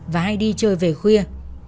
và hay đi chơi về khuya